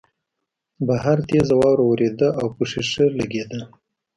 بهر تېزه واوره ورېده او په شیشه لګېده